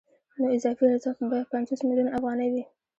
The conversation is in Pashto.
نو اضافي ارزښت به پنځوس میلیونه افغانۍ وي